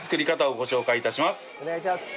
お願いします！